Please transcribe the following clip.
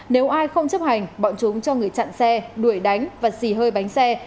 nếu ai không chấp hành bọn chúng cho người chặn xe đuổi đánh và xì hơi bánh xe